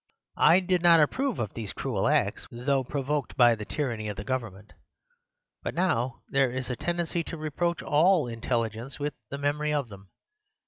I did not approve of these cruel acts, though provoked by the tyranny of the government; but now there is a tendency to reproach all Intelligents with the memory of them.